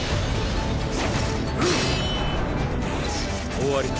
終わりだ。